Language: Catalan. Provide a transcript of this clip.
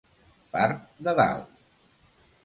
Part de dalt.